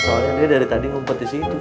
soalnya dia dari tadi ngumpet disitu